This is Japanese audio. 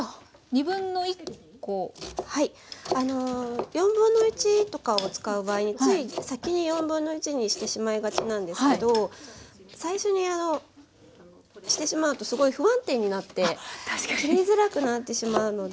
1/4とかを使う場合つい先に1/4にしてしまいがちなんですけど最初にしてしまうとすごい不安定になって切りづらくなってしまうので。